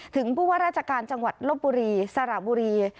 ผู้ว่าราชการจังหวัดลบบุรีสระบุรี